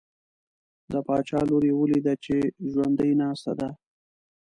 د باچا لور یې ولیده چې ژوندی ناسته ده.